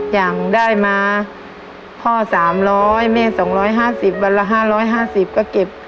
อย่างได้มาพ่อสามร้อยแม่สองร้อยห้าสิบวันละห้าร้อยห้าสิบก็เก็บ